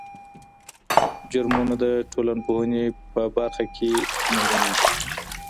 جرمونه د ټولنپوهني په برخه کې مهمه دي.